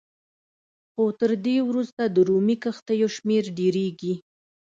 خو تر دې وروسته د رومي کښتیو شمېر ډېرېږي